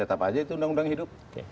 tetap aja itu undang undang hidup